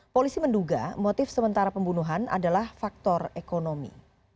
polisi menduga motif sementara pembunuhan adalah faktor ekonomi